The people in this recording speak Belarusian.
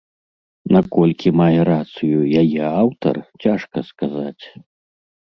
Наколькі мае рацыю яе аўтар, цяжка сказаць.